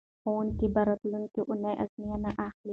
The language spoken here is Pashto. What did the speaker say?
ښوونکي به راتلونکې اونۍ ازموینه اخلي.